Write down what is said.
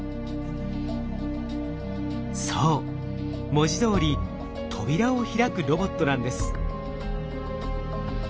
そう文字どおり扉を開くロボットなんです。